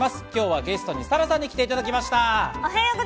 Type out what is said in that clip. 今日はゲストに沙羅さんに来ていただきました。